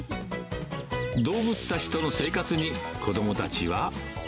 動物たちとの生活に、子どもたちは。